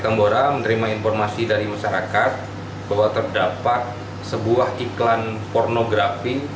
menterima informasi dari masyarakat bahwa terdapat sebuah iklan pornografi